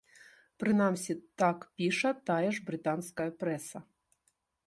Прынамсі так піша тая ж брытанская прэса.